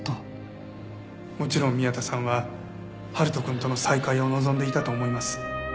もちろん宮田さんは春人くんとの再会を望んでいたと思います。